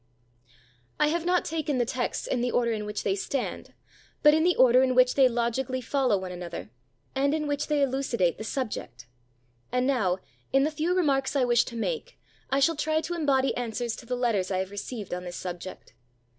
I have not taken the texts in the order in which they stand, but in the order in which they logically follow one another, and in which they elucidate the subject. And now, in the few remarks I wish to make, I shall try to embody answers to the letters I have received on this subject.